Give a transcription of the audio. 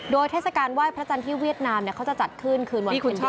โดยเทศกาลไหว้พระจันทร์ที่เวียดนามเนี่ยเขาจะจัดขึ้นคืนคืนวันเวียดเดียวแปด